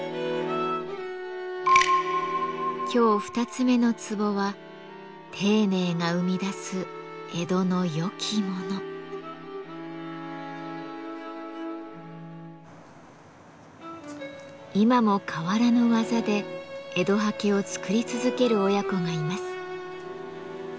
今日二つ目のツボは今も変わらぬ技で江戸刷毛を作り続ける親子がいます。